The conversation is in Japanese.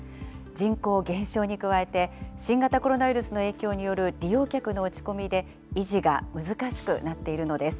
人口減少に加えて、新型コロナウイルスの影響による利用客の落ち込みで、維持が難しくなっているのです。